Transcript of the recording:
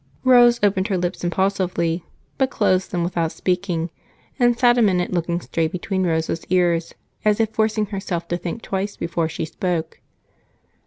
Rose opened her lips impulsively, but closed them without speaking and sat a minute looking straight between Rosa's ears, as if forcing herself to think twice before she spoke.